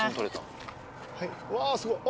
うわすごい。